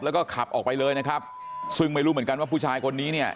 แล้วก็ขับออกไปเลยนะครับซึ่งไม่รู้เหมือนกันว่าผู้ชายคนนี้เนี่ย